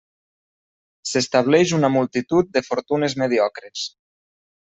S'estableix una multitud de fortunes mediocres.